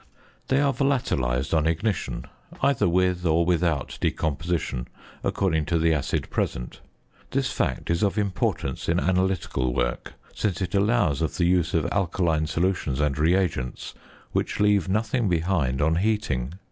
They are volatilised on ignition; either with, or without, decomposition according to the acid present. This fact is of importance in analytical work; since it allows of the use of alkaline solutions and reagents which leave nothing behind on heating.